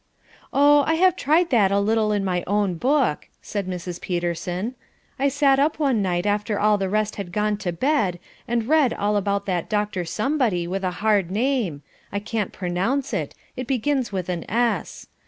"Oh, I have tried that a little on my own book," said Mrs. Peterson. "I sat up one night after all the rest had gone to bed, and read all about that Dr. Somebody, with a hard name I can't pronounce it, it begins with an 'S.'